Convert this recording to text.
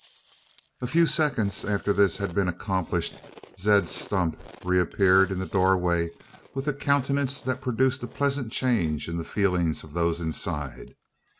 A few seconds after this had been accomplished, Zeb Stump reappeared in the doorway, with a countenance that produced a pleasant change in the feelings of those inside.